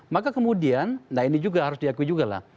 maka kemudian nah ini juga harus diakui juga lah